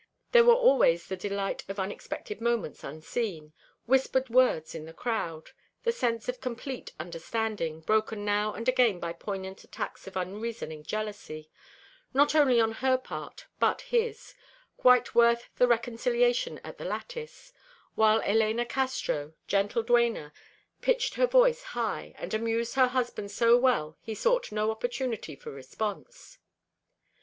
There were always the delight of unexpected moments unseen, whispered words in the crowd, the sense of complete understanding, broken now and again by poignant attacks of unreasoning jealousy, not only on her part but his; quite worth the reconciliation at the lattice, while Elena Castro, gentle duena, pitched her voice high and amused her husband so well he sought no opportunity for response.